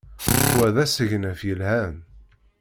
Wa d asegnaf yelhan.